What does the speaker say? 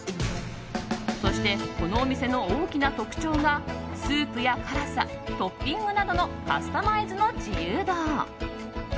そして、このお店の大きな特徴がスープや辛さ、トッピングなどのカスタマイズの自由度。